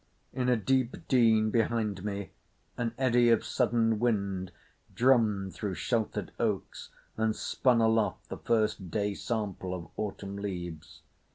In a deep dene behind me an eddy of sudden wind drummed through sheltered oaks, and spun aloft the first day sample of autumn leaves.